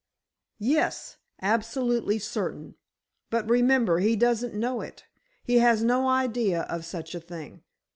"Yes, absolutely certain. But, remember, he doesn't know it. He has no idea of such a thing.